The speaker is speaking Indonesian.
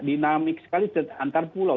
dinamik sekali antar pulau